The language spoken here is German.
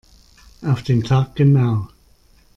Auf den Tag genau.